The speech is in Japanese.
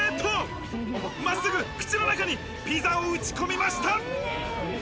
真っすぐ口の中にピザを打ち込みました。